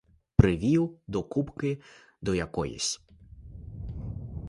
Привів до купки до якоїсь.